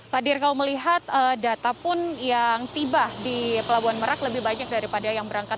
pak dir kalau melihat data pun yang tiba di pelabuhan merak lebih banyak daripada yang berangkat